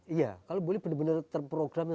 iya kalau boleh benar benar terprogram